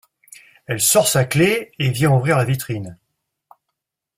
Elle sort sa clé et vient ouvrir la vitrine.